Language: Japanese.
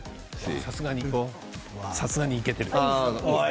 さすがにいけてる。